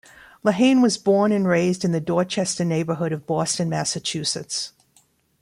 Lehane was born and raised in the Dorchester neighborhood of Boston, Massachusetts.